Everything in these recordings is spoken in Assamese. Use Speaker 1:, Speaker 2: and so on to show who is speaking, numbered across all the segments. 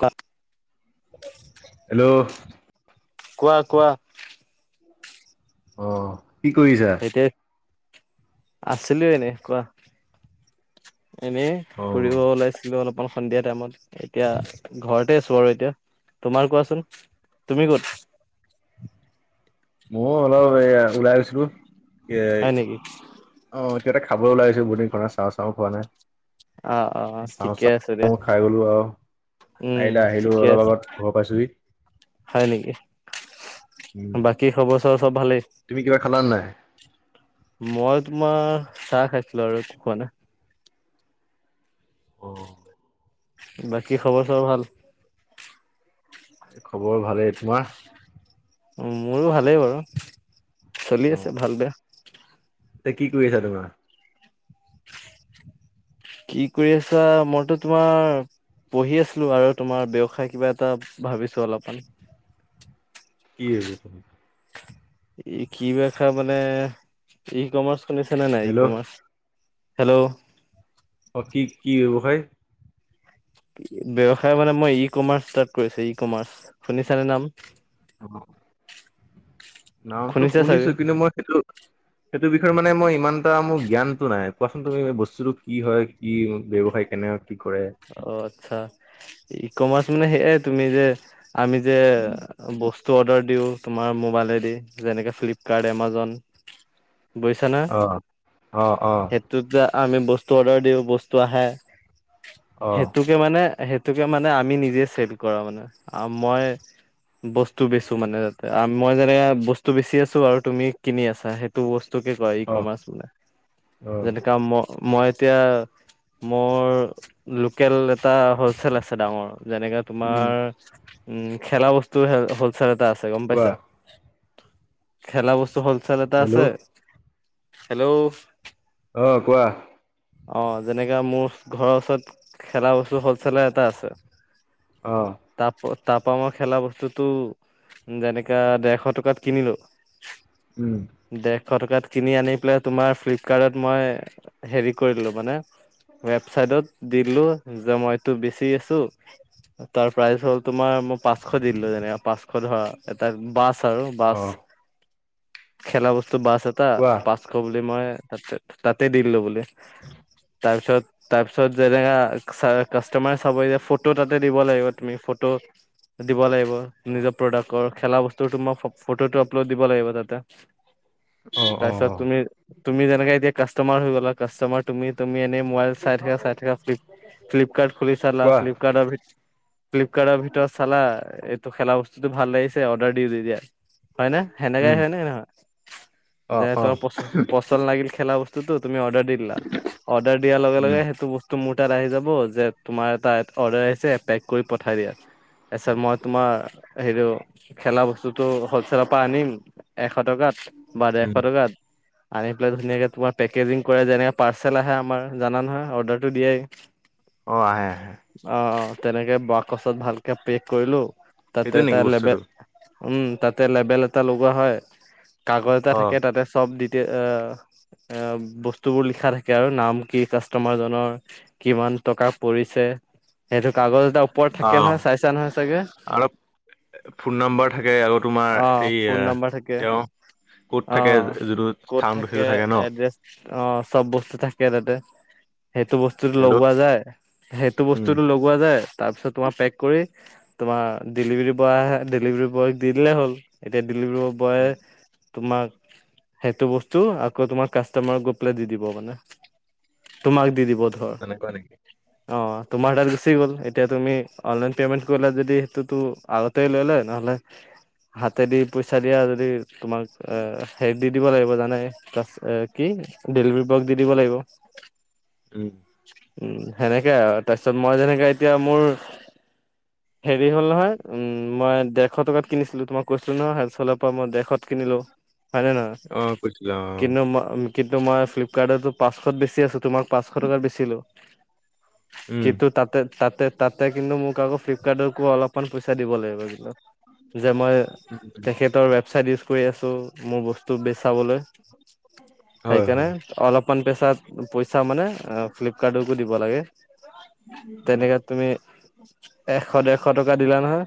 Speaker 1: কোৱা।
Speaker 2: হেল্ল'।
Speaker 1: কোৱা কোৱা!
Speaker 2: অ', কি কৰিছা?
Speaker 1: [unintelligible] আছিলো এনে কোৱা। এনেই
Speaker 2: অ
Speaker 1: ফুৰিব ওলাইছিলো অলপ। অকন সন্ধিয়া টাইমত এতিয়া ঘৰতে আছো বাৰু এতিয়া। তোমাৰ কোৱাচোন! তুমি ক'ত?
Speaker 2: ময়ো অলপ এয়া ওলাই গৈছিলো এ
Speaker 1: [inaudible]
Speaker 2: অ', কিবা এটা খাব ওলাইছো বহু দিন ঘৰত চাও চাও খোৱা নাই।
Speaker 1: অ অ
Speaker 2: চাও
Speaker 1: ঠিকে আছে
Speaker 2: চাও
Speaker 1: দিয়া
Speaker 2: খাই গ'লো আৰু।
Speaker 1: উম
Speaker 2: খাই লৈ আহিলো
Speaker 1: ঠিকে
Speaker 2: অলপ
Speaker 1: আছে
Speaker 2: আগত ঘৰ পাইছোহি।
Speaker 1: হয়, নেকি,
Speaker 2: উম,
Speaker 1: বাকী খবৰ চবৰ চব ভালেই?
Speaker 2: তুমি কিবা খালানে নাই?
Speaker 1: মই তোমাৰ চাহ খাইছিলো আৰু একো খোৱা নাই।
Speaker 2: অ'।
Speaker 1: বাকী খবৰ চবৰ ভাল?
Speaker 2: এই খবৰ ভালেই, তোমাৰ?
Speaker 1: উম, মোৰো ভালেই বাৰু চলি আছে ভাল বেয়া।
Speaker 2: এ কি কৰি আছা তোমাৰ?
Speaker 1: কি কৰি আছা মইতো তোমাৰ পঢ়ি আছিলো আৰু তোমাৰ ব্যৱসায় কিবা এটা ভাবিছো অলপমান।
Speaker 2: কি হ'ব [unintelligible]
Speaker 1: ই কি [unintelligible] মানে ই কমাৰ্চ শুনিছানে নাই ই
Speaker 2: হেল্ল'
Speaker 1: কমাৰ্চ? হেল্ল'।
Speaker 2: অ', কি কি ব্যৱসায়?
Speaker 1: ব্যৱসায় মানে মই ই কমাৰ্চ ষ্টাৰ্ট কৰিছো ই কমাৰ্চ শুনিছানে নাম?
Speaker 2: অ'। নামটো
Speaker 1: শুনিছা
Speaker 2: শুনিছো
Speaker 1: চাগে
Speaker 2: কিন্তু মই সেইটো সেইটো বিষয়ে মানে মই ইমান এটা মোৰ জ্ঞান টো নাই। কোৱাচোন তুমি বস্তুতটো কি হয় কি ব্যৱসায় কেনে কি কৰে।
Speaker 1: অ', আচ্ছা, ই কমাৰ্চ মানে সেই তুমি যে আমি যে বস্তু অৰ্ডাৰ দিওঁ। তোমাৰ মোবাইলে দি যেনেকে ফ্লিপকাৰ্ট, এমাজন। বুজিছা নে?
Speaker 2: অ অ', অ',
Speaker 1: সেইটোত যে আমি বস্তু অৰ্ডাৰ দিওঁ বস্তু আহে।
Speaker 2: অ',
Speaker 1: সেইটোকে মানে সেইটোকে মানে আমি নিজে চেল কৰা মানে। মই বস্তু বেছো মানে তাতে। মই যেনে বস্তু বেছি আছো আৰু তুমি কিনি আছা সেই টো বস্তুকে কয় ই
Speaker 2: অ',
Speaker 1: কমাৰ্চ বুলি।
Speaker 2: অ',
Speaker 1: যেনেকা মই মই এতিয়া মোৰ লোকেল এটা হ'লচেল আছে ডাঙৰ। যেনেকাে
Speaker 2: উম,
Speaker 1: তোমাৰ উম, খেলা বস্তু হ'লচেল এটা আছে গম
Speaker 2: কোৱা
Speaker 1: পাইছা। খেলা বস্তু হ'ল চেল এটা আছে
Speaker 2: হেল্ল'
Speaker 1: হেল্ল'।
Speaker 2: অ', কোৱা।
Speaker 1: অ', যেনেকা মোৰ ঘৰৰ ওচৰত খেলা বস্তুৰ হ'লছেলৰ এটা আছে।
Speaker 2: অহ্।
Speaker 1: তাপ তাৰপৰা মই খেলা বস্তুটো যেনেকা, ডেৰশ টকাত কিনিলো
Speaker 2: উম।
Speaker 1: ডেৰশ টকাত কিনি আনি পেলাই তোমাৰ ফ্লিপকাৰ্টত মই হেৰি কৰিলো মানে ৱেবচাইডত দি দিলো যে মইতো বেচি আছোঁ। তাৰ প্ৰাইজ হ'ল তোমাৰ মই পাঁচশ দি দিলো যেনেবা। পাঁচশ ধৰা এটা বাছ আৰু বাস
Speaker 2: অ',
Speaker 1: খেলা বস্তু বাস এটা
Speaker 2: কোৱা
Speaker 1: বাস খ বুলি মই তাতে তাতে দিলো বুলি। তাৰপিছত তাৰপি পিছত যেনেকা চাই কাষ্টমাৰে চাব এতিয়া ফটো তাতে দিব লাগিব তুমি। ফটো দিব লাগিব। নিজৰ প্ৰডাক্টৰ খেলা বস্তুটো মই ফ্ ফটোটো আপলোড দিব লাগিব তাতে।
Speaker 2: অ',
Speaker 1: তাৰপিছত
Speaker 2: অ',
Speaker 1: তুমি তুমি যেনেকে এতিয়া কাষ্টমাৰ হৈ গ'লা। কাষ্টমাৰ তুমি তুমি এনেই মোবাইল চাই থাকা, চাই থাকা ফ্লিপ ফ্লিপকাৰ্ট খুলি চালা,
Speaker 2: কোৱা
Speaker 1: ফ্লিপকাৰ্টৰ ভিত্ ফ্লিপকাৰ্টৰ ভিতৰত চালা, এইটো খেলা বস্তুটো ভাল লাগিছে অৰ্ডাৰ দি দি দিয়া। হয় নে? সেনেকাই
Speaker 2: উম,
Speaker 1: হয় নে নহয়? যে
Speaker 2: অ', অ',
Speaker 1: তোমাৰ পচ পচন্দ লাগিল খেলা বস্তুটো। তুমি অৰ্ডাৰ দি দি দিলা। অৰ্ডাৰ দিয়াৰ লগে
Speaker 2: উম,
Speaker 1: লগে সেইটো বস্ টো মোৰ তাত আহি যাব যে তোমাৰ এটা অৰ্ডাৰ আহিছে পেক কৰি পঠাই দিয়া। তাৰপিছত মই তোমাৰ হেৰিটো খেলা বস্তুতো হল্ডচেলৰ পৰা আনিম এশ টকাত বা ডেৰশ
Speaker 2: উম,
Speaker 1: টকাত আনি পেলাই ধুনীয়াকে তোমাৰ পেকেজিং কৰে যেনে পাৰ্চেল আহে আমাৰ জানা নহয়? অৰ্ডাৰ টো দিয়ে।
Speaker 2: অঁ, আহে আহে।
Speaker 1: অঁ, অঁ তেনেকে বাকচত ভালকে পেক কৰিলোঁ। তাতে
Speaker 2: সেইটোৱে
Speaker 1: এটা
Speaker 2: নেকি
Speaker 1: লেবে
Speaker 2: বস্তুটো
Speaker 1: উম, তাতে লেবেল এটা লগোৱা হয়। কাগজ এটা
Speaker 2: অ',
Speaker 1: থাকে তাতে চব দি এতিয়া আঁ বস্তুবোৰ লিখা থাকে আৰু। নাম কি কাষ্টমাৰজনৰ কিমান টকা পৰিছে সেইটো কাগজ এটা ওপৰত থাকে
Speaker 2: অ',
Speaker 1: নহয় চাইছা নহয় চাগে?
Speaker 2: আৰু ফোন নাম্বৰ থাকে আকৌ
Speaker 1: অ
Speaker 2: তোমাৰ
Speaker 1: ফোন নাম্বাৰ থাকে
Speaker 2: এইয়া তেওঁ ক'ত
Speaker 1: অ
Speaker 2: থাকে যিটো স্থানটো সেইটো থাকে ন'?
Speaker 1: অঁ, চব বস্তু থাকে তাতে। সেইটো বস্ স্তুতো
Speaker 2: হেল্ল'
Speaker 1: লগোৱা যায়। সেইটো
Speaker 2: উম,
Speaker 1: বস্তুটো লগোৱা যায় তাৰপিছত তোমাৰ পেক কৰি তোমাৰ ডেলিভাৰী বয় আহে। ডেলিভাৰী বয়ক দি দিলে হ'ল। এতিয়া ডেলিভাৰী বয় তোমাক সেইটো বস্তু আকৌ তোমাৰ কাষ্টমাৰক গৈ পেলাই দি দিব মানে। তোমাক দি দিব।
Speaker 2: অঁ, তেনেকুৱা নেকি?
Speaker 1: অঁ, তোমাৰ তাত গুচি গ'ল। এতিয়া তুমি অনলাইন পেমেণ্ট কৰিলে যদি সেইটোতো আগতে লৈ লয় নহ'লে
Speaker 2: [inaudible]
Speaker 1: হাতে দি পইচা দিয়া যদি তোমাক আঁ সেই দি দিব লাগিব জানাই? কা এ কি? ডেলিভাৰী বয়ক দি দিব লাগিব।
Speaker 2: উম।
Speaker 1: উম, সেনেকে আৰু। তাৰপিছত মই যেনেকে এতিয়া মোৰ
Speaker 2: উ [unintelligible]
Speaker 1: হেৰি হ'ল নহয় উম, মই দেৰশ টকাত কিনিছিলোঁ তোমাক কৈছিলো নহয় হেলচলৰ পৰা মই ডেৰশত কিনিলোঁ। হয়নে নহয়?
Speaker 2: অ', কৈছিলা অ',
Speaker 1: কিন্তু ম কিন্তু মই ফ্লিপকাৰ্টতো পাঁচশত বেছি আছোঁ, তোমাক পাঁচশ টকাত বেচিলো।
Speaker 2: উম,
Speaker 1: কিন্তু তাতে তাতে তাতে কিন্তু মোক আকৌ ফ্লিপকাৰ্টকো অলপ অকমান পইচা দিব লাগিব কিন্তু। যে মই তেখেতৰ চাইট ইউচ কৰি আছোঁ, মোৰ বস্তু বে চাবলৈ।
Speaker 2: হয়
Speaker 1: সেইকাৰণে
Speaker 2: হয়
Speaker 1: অলপ মান পেচাত পইচা মানে, আ, ফ্লিপকাৰ্টকো দিব লাগে। তেনেকে তুমি এশ ডেৰশ টকা দিলা নহয়,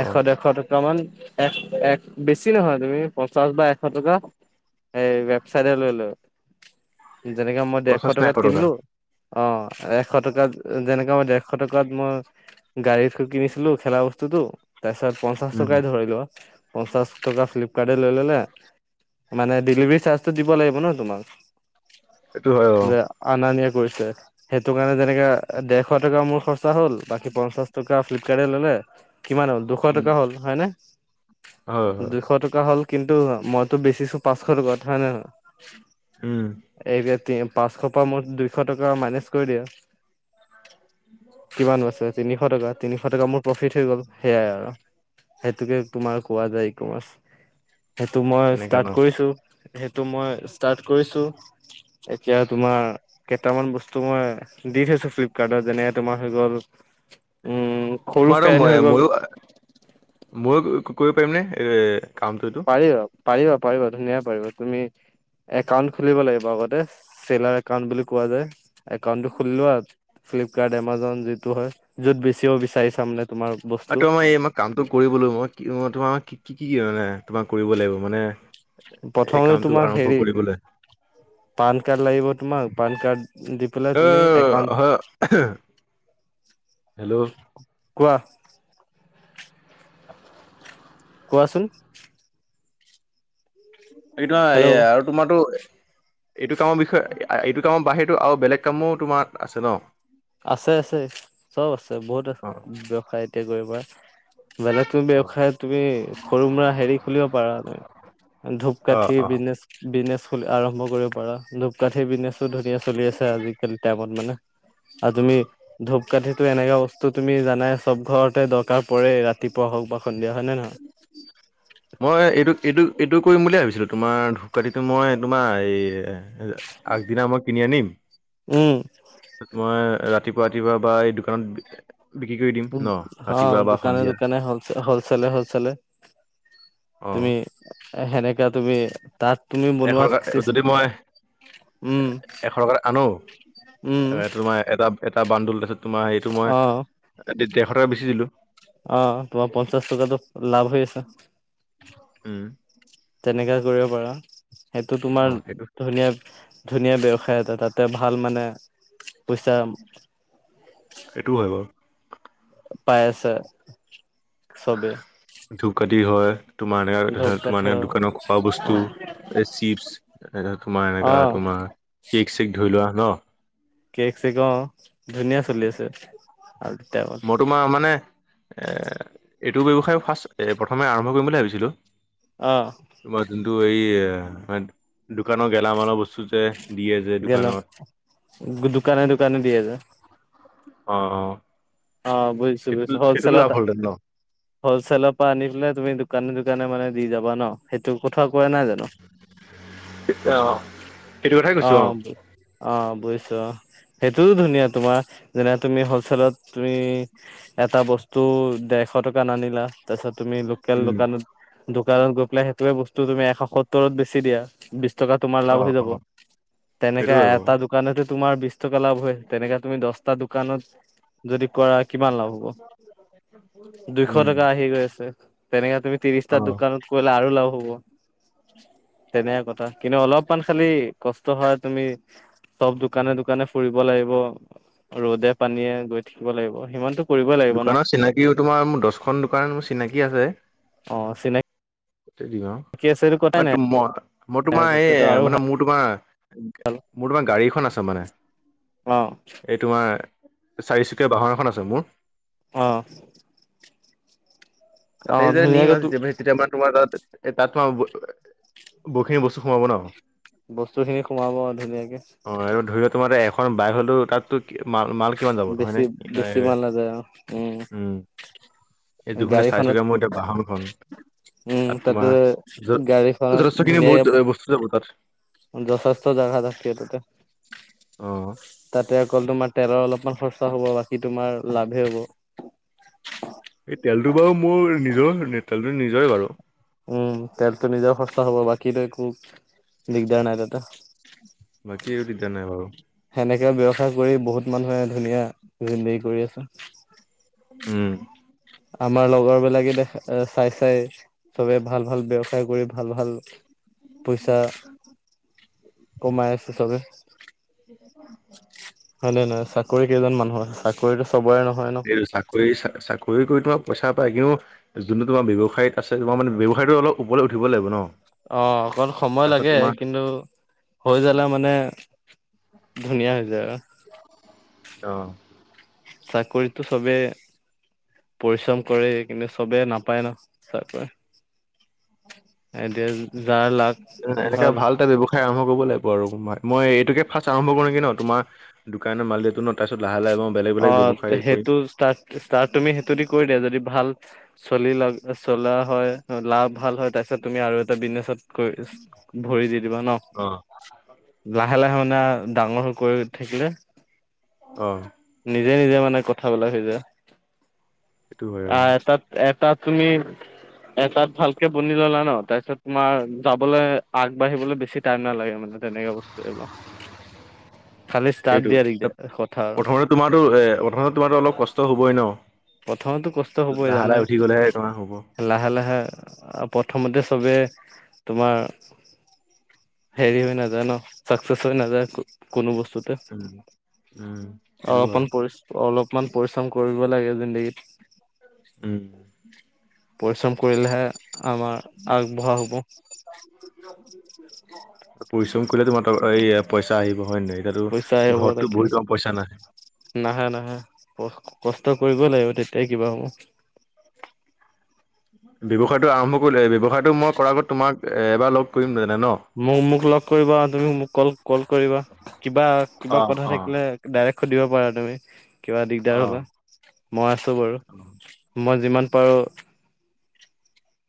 Speaker 1: এশ
Speaker 2: অ',
Speaker 1: ডেৰশ ট [unintelligible] এক এক বেছি নহয়, তুমি পঞ্চাশ বা এশ টকা এই ৱেবচাইটে লৈ লয়। যেনেকে মই
Speaker 2: পঞ্চাছ
Speaker 1: দেৰশ
Speaker 2: নে এশ
Speaker 1: টকাত
Speaker 2: টকা
Speaker 1: কিনিলোঁ অ', এশ টকাত যেনেকে মই ডেৰশ টকাত মই গাড়ীত [unintelligible] কিনিছিলোঁ খেলা বস্তুটো, তাৰ পিছত পঞ্চাশ
Speaker 2: উম,
Speaker 1: টকাই ধৰি লোৱা। পঞ্চাশ টকা ফ্লিপকাৰ্টে লৈ ললে, মানে ডেলিভাৰী চাৰ্জটো দিব লাগিব ন তোমাৰ।
Speaker 2: সেইটো হয় অ
Speaker 1: যে অনা নিয়া কৰিছে, সেইটো কাৰণে যেনেকে দেৰশ টকা মোৰ খৰচা হ'ল। বাকী পঞ্চাশ টকা ফ্লিপকাৰ্টে ললে, কিমান হ'ল দুশ
Speaker 2: উম
Speaker 1: টকা হ'ল হয়নে?
Speaker 2: হয় হয়
Speaker 1: দুইশ টকা হ'ল কিন্তু মইতো বেচিছো পাঁচশ টকাত হয়ে নে নহয়?
Speaker 2: উম।
Speaker 1: এই [unintelligible] পাঁচশ পৰা মোৰ দুইশ টকা মাইনাচ কৰি দিয়া। কিমান বাছে তিনিশ টকা, তিনিশ টকা মোৰ প্ৰফিট হৈ গ'ল সেইয়াই আৰু। সেইটোকে তোমাৰ কোৱা যায় ইকমাৰ্চ। সেইটো মই
Speaker 2: তেনেকা ন
Speaker 1: ষ্টাৰ্ট কৰিছোঁ। সেইটো মই ষ্টাৰ্ট কৰিছোঁ। এতিয়া তোমাৰ কেইটামান বস্তু মই দি থৈছো ফ্লিপকাৰ্টত, যেনেতে তোমাৰ হৈ গ'ল উম সৰু
Speaker 2: তোমাৰোতো
Speaker 1: ফেন হৈ
Speaker 2: মই
Speaker 1: গ'ল
Speaker 2: ময়ো ময়ো কৰিব পাৰিম নে এই কামটো এইটো?
Speaker 1: পাৰিব পাৰিবা পাৰিবা ধুনীয়াকে পাৰিবে। তুমি একাউণ্ট খুলিব লাগিব আগতে, চেলাৰ একাউণ্ট বুলি কোৱা যায়। একাউণ্টটো খুলি লোৱা। ফ্লিপকাৰ্ট, এমাজন যিটো হয়, য'ত বেচিব বিচাৰিছা মানে তোমাৰ বস্তু
Speaker 2: তোমাৰ এই মই কামটো কৰিবলৈ মই তোমাৰ কি কি কি মানে তোমাক কৰিব লাগিব মানে এই
Speaker 1: প্ৰথমতে
Speaker 2: কামটো
Speaker 1: তোমাক
Speaker 2: আৰম্ভ
Speaker 1: হেৰি
Speaker 2: কৰিবলৈ
Speaker 1: পান কাৰ্ড লাগিব তোমাক, পান কাৰ্ড দি পেলাই
Speaker 2: অ
Speaker 1: তুমি একাউণ্ট
Speaker 2: হয় হেল্ল'।
Speaker 1: কোৱা।
Speaker 2: [unintelligible]
Speaker 1: কোৱাচোন।
Speaker 2: বাকী তোমাৰ এই
Speaker 1: হেল্ল'
Speaker 2: আৰু তোমাৰতো, এইটো কামৰ বিষয়ে [unintelligible] এইটো কামৰ বাহিৰেতো আৰু বেলেগ কামো তোমাৰ আছে ন?
Speaker 1: আছে আছে, চব আছে বহুত আছে
Speaker 2: অ
Speaker 1: ব্যৱসায় এতিয়া কৰিব পৰা। বেলেগ তুমি
Speaker 2: অ
Speaker 1: ব্যয়সায় তুমি সৰু মৰা হেৰি খুলিব পাৰা নাই।
Speaker 2: অ
Speaker 1: ধূপকাঠিৰ
Speaker 2: অ
Speaker 1: বিজনেছ। বিজনেছ খুলি-আৰম্ভ কৰিব পাৰা। ধূপকাঠি বিজনেছো ধুনীয়া চলি আছে আজিকালি টাইমত মানে। আৰু তুমি ধূপ কাঠিটো এনেকা বস্তু তুমি জানাই চব ঘৰতে দ কাৰ পৰে ৰাতিপুৱা হওক বা সন্ধিয়া, হয় নে নহয়?
Speaker 2: মই এইটো এইটো এইটো কৰিম বুলিয়ে ভাবিছিলোঁ। তোমাৰ ধূপকাটিটো মই তোমাৰ এই আগদিনা মই কিনি আনিম।
Speaker 1: উম।
Speaker 2: মই ৰাতিপুৱা ৰাতিপুৱা বা এই দোকানত বিক্ৰী কৰি দিম ন
Speaker 1: অ
Speaker 2: ৰাতিপুৱা বা
Speaker 1: দোকানে
Speaker 2: সন্ধিয়া?
Speaker 1: দোকানে হলচে হলচেলে হলচেলে
Speaker 2: অ
Speaker 1: তুমি সেনেকা তুমি তাত তুমি বনোৱা
Speaker 2: এশটকা
Speaker 1: চিচ
Speaker 2: যদি মই
Speaker 1: উম
Speaker 2: এ এশ টকাত আনো
Speaker 1: উম
Speaker 2: এ তোমাৰ এটা এটা বান্দোল তাৰছত তোমাৰ হেৰিটো মই
Speaker 1: অ
Speaker 2: ডে ডেৰশ টকাত বেচি দিলো
Speaker 1: অ তোমাৰ পঞ্চাশ টকাটো লাভ হৈ আছে
Speaker 2: উম
Speaker 1: তেনেকা কৰিব পাৰা সেইটো তোমাৰ
Speaker 2: অ সেইটো
Speaker 1: ধুনীয়া ধুনীয়া ব্যৱসায় এটা তাতে ভাল মানে পইচা
Speaker 2: সেইটোও হয় বাৰু
Speaker 1: পাই আছে চবে
Speaker 2: ধুকাঠী হয় তোমাৰ
Speaker 1: ধূপ
Speaker 2: এনে তোমাৰ
Speaker 1: কাঠি
Speaker 2: এনে দোকানৰ খোৱা বস্তু এ চিপচ এ তোমাৰ
Speaker 1: অ
Speaker 2: এনেকা তোমাৰ কেক চেক ধৰি লোৱা ন
Speaker 1: কেক চেক অ ধুনীয়া চলি আছে আৰু
Speaker 2: মই
Speaker 1: [unintelligible]
Speaker 2: তোমাৰ মানে এ এইটো ব্যৱসায় ফাৰ্ষ্ট প্ৰথমে আৰম্ভ কৰিম বুলি ভাবিছিলোঁ
Speaker 1: অ
Speaker 2: তোমাৰ যোনটো এইয়ে ম দোকানৰ গেলামালৰ বস্তু চোতে বিয়ে যে
Speaker 1: গেলাম
Speaker 2: দোকানত
Speaker 1: দোকানে দোকানে দিয়ে যে
Speaker 2: অ অ
Speaker 1: অ বুজিছো
Speaker 2: সেইটোতো
Speaker 1: বুজিছো
Speaker 2: সেইটোতো
Speaker 1: হ'লচেল
Speaker 2: লাভ
Speaker 1: আট
Speaker 2: হ'লহেতেন ন
Speaker 1: হলচেলৰ পৰা আনি পেলাই তুমি দোকানে দোকানে মানে দি যাবা ন সেইটো কথা কোৱা নাই জানো
Speaker 2: অ সেইটো কথাই কৈছো
Speaker 1: অ অ বুজিছো অ সেইটোও ধুনীয়া তোমাৰ যেনে তুমি হলচেলত তুমি এটা বস্তু দেৰশ টকা আনিলা তাৰপিছত তুমি লোকেল
Speaker 2: উম
Speaker 1: দোকানত দোকানত গৈ পেলাই সেইটোৱে বস্তু তুমি এশ সত্তৰত বেছি দিয়া বিছ টকা তোমাৰ
Speaker 2: অ
Speaker 1: লাভ হৈ
Speaker 2: অ
Speaker 1: যাব
Speaker 2: সেইটো
Speaker 1: তেনেকে
Speaker 2: হয় বাৰু
Speaker 1: এটা দো দোকানতে তোমাৰ বিশ টকা লাভ হয় তেনেকে তুমি দছটা দোকানত যদি কৰা কিমান লাভ হ'ব দুইশ
Speaker 2: উম
Speaker 1: টকা আহি গৈ আছে তেনেকে তুমি ত্ৰিশটা
Speaker 2: অ
Speaker 1: দোকানত গলা আৰু লাভ হ'ব তেনেকা কথা কিন্তু অলপমান খালি কষ্ট হয় তুমি চব দোকানে দোকানে ফুৰিব লাগিব ৰ'দে পানীয়ে গৈ থাকিব লাগিব সিমানতো
Speaker 2: দোকানৰ চিনাকিও তোমাৰো মোৰ দছখন দোকান মোৰ চিনাকি আছে
Speaker 1: অ চিনাক
Speaker 2: টেডিঙৰ
Speaker 1: কেচ এটো কটাই নাই
Speaker 2: ম মই তোমাৰ এই
Speaker 1: তাতেতো আৰু
Speaker 2: মানে
Speaker 1: ভাল
Speaker 2: মোৰ তোমাৰ মোৰ তোমাৰ গাড়ী এখন আছে মানে
Speaker 1: [unintelligible]
Speaker 2: এই তোমাৰ চাৰিচুকীয়া বাহন এখন আছে মোৰ
Speaker 1: অঁ
Speaker 2: তাতে যে নিম আৰু
Speaker 1: তো
Speaker 2: তুমি তেতিয়া মা তোমাৰ তাত এ তাত তোমাৰ বহুখিনি বস্তু সোমাব ন
Speaker 1: বস্তু খিনি সোমাব আৰু ধুনীয়াকে
Speaker 2: অঁ আৰু ধৰি লও তোমাৰ এখন বাইক হ'লেও তাত ত মাল মাল কিমান যাব নহয়
Speaker 1: বেছি
Speaker 2: নে
Speaker 1: বেছি
Speaker 2: এ
Speaker 1: মাল নাযায় অ
Speaker 2: উম এই দুখনেচ
Speaker 1: গাড়ীখনত
Speaker 2: চাৰিচকীয়া মোৰ এতিয়া বাহনখন,
Speaker 1: উম
Speaker 2: তাত
Speaker 1: তাতে
Speaker 2: তোমাৰ
Speaker 1: গাড়ীখনত
Speaker 2: যথেষ্টখিনি বহুত
Speaker 1: ধুনীয়াকে
Speaker 2: [unintelligible] গুচি যাব তাত।
Speaker 1: যথেষ্ট জাগা থাকে তাতে।
Speaker 2: অ
Speaker 1: তাতে অকল তোমাৰ তেলৰ অলপমান খৰচা হ'ব বাকী তোমাৰ লাভে হ'ব।
Speaker 2: এই তেলটো বাৰু মোৰ নিজৰ, তেলটো নিজৰে বাৰু।
Speaker 1: উম, তেলটো নিজৰ খৰচা হ'ব বাকি তই একো দিগদাৰ নাই তাতে।
Speaker 2: বাকি এই দিগদাৰ নাই বাৰু।
Speaker 1: সেনেকে ব্যয়ৱসায় কৰি বহুত মানুহে ধুনীয়া জিন্দেগী কৰি আছে।
Speaker 2: উম।
Speaker 1: আমাৰ লগৰবিলাকে দেখ চাই চাই। চবে ভাল ভাল ব্যৱসায় কৰি ভাল ভাল পইচা কমাই আছে চবেই।
Speaker 2: [inaudible]
Speaker 1: হয় নে নহয়? চাকৰি কেইজন মানুহৰ, চাকৰিতো চবৰে নহয় ন'।
Speaker 2: এই চাকৰি চাকৰি কৰি তোমাৰ পইচা পায় কিন্তু যোনটো তোমাৰ ব্যৱসায়ত আছে, তোমাৰ মানে ব্যৱসায়টো অলপ ওপৰলৈ উঠিব লাগিব ন'।
Speaker 1: অ' অকন সময়
Speaker 2: তাৰপিছত
Speaker 1: লাগে
Speaker 2: তোমাৰ
Speaker 1: কিন্তু হৈ যালে মানে ধুনীয়া হৈ যায় আৰু।
Speaker 2: অ'।
Speaker 1: চাকৰিতো চবে পৰিশ্ৰম কৰে কিন্তু চবেই নাপায় ন' চাকৰি। এতিয়া যাৰ লাক
Speaker 2: এনেকা
Speaker 1: ভাল
Speaker 2: এটা ব্যৱসায় আৰম্ভ কৰিব লাগিব আৰু মাই। মই এইটোকে ফাৰ্ষ্ট আৰম্ভ কৰোঁ নেকি ন' তোমাৰ দোকানে মাল দিয়াটো ন'? তাৰপিছত লাহে লাহে মই বেলেগ বেলেগ ব্যৱসাই কৰিম।
Speaker 1: ষ্টাৰ ষ্টাৰ্ট তুমি সেইটোদি কৰি দিয়া যদি ভাল চলি লা চলা হয়, লাভ ভাল হয় তাৰপিছত তুমি আৰু এটা বিজনেছত কৰি ভৰি দি দিবা ন',
Speaker 2: অ
Speaker 1: লাহে লাহে মানে ডাঙৰ হৈ কৰি থাকিলে
Speaker 2: অ'।
Speaker 1: নিজে নিজে মানে কথাবিলাক হৈ যায়।
Speaker 2: সেইটো হয়
Speaker 1: আ,
Speaker 2: অ
Speaker 1: এটাত এটা তুমি এটাত ভালকে বনি ল'লা ন' তাৰপিছত তোমাৰ যাবলৈ আগবাঢ়িবলৈ বেছি টাইম নালাগে মানে। তেনেকা বস্তু এইবা। খালি ষ্টাৰ্ট
Speaker 2: এইটো
Speaker 1: দিয়া দিগদাৰ,
Speaker 2: তা-
Speaker 1: কথা আৰু।
Speaker 2: প্ৰথমতে তোমাৰতো এ, প্ৰথমে তোমাৰটো অলপ কষ্ট হ'বই ন'।
Speaker 1: প্ৰথমেতো কষ্ট হ'বই
Speaker 2: লাহে লাহে
Speaker 1: জানেই।
Speaker 2: উঠি গলেহে তোমাৰ হ'ব
Speaker 1: লাহে লাহে আ, প্ৰথমতে চবে তোমাৰ হেৰি হৈ নাযায় ন' চাকচেচ হৈ নাযায় কোনো বস্তু
Speaker 2: উম, উম। সেইটো
Speaker 1: অলপমান
Speaker 2: হয়
Speaker 1: পৰি অলপমান পৰিশ্ৰম কৰিব লাগে
Speaker 2: উম
Speaker 1: জিন্দগীত। পৰিশ্ৰম কৰিলেহে আমাৰ আগবঢ়া হ'ব।
Speaker 2: পৰিশ্ৰম কৰিলে তোমাৰ ত এ পইচা আহিব হয় নে নাই?
Speaker 1: পইচাই
Speaker 2: এতিয়াতো
Speaker 1: হ'ব
Speaker 2: ঘৰততো
Speaker 1: তাকে
Speaker 2: বহি তোমাৰ পইচা নাহে।
Speaker 1: নাহে নাহে। ক-কষ্ট কৰিবই লাগিব তেতিয়া কিবা হ'ব।
Speaker 2: ব্যৱসায়টো আৰম্ভ কৰিলে, ব্যৱসায়টো মই কৰাৰ আগত তোমাক এবাৰ লগ কৰিম জানে ন'?
Speaker 1: মোক মোক লগ কৰিবা, আৰু তুমি মোক কল কল কৰিবা, কিবা কিবা
Speaker 2: অ
Speaker 1: কথা
Speaker 2: অ
Speaker 1: থাকিলে ডাইৰেক্ট সুধিব পাৰা তুমি, কিবা দিগদাৰ
Speaker 2: অ
Speaker 1: হ'লে মই আছোঁ বাৰু। মই যিমান পাৰোঁ